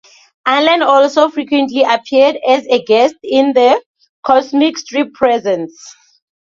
Allen also frequently appeared as a guest in "The Comic Strip Presents".